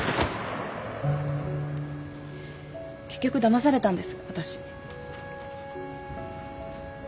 ・結局だまされたんです私。